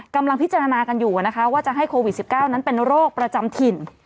กำลังพิจารณากันอยู่นะคะว่าจะให้โควิด๑๙นั้นเป็นโรคประจำถิ่น